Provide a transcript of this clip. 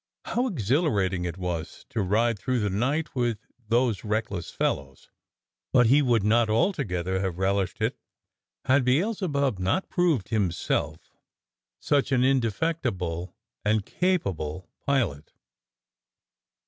How exhilarating it was to ride through the night with those reckless fellows, but he would not 196 THE SCARECROW'S LEGION 197 altogether have relished it had Beelzebub not proved himself such an indefectible and capable pilot.